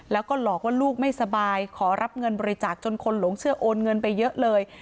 แล้วก็หลอกว่าลูกไม่สบายขอรับเงินบริจาคจนคนหลงเชื่อโอนเงินไปเยอะเลย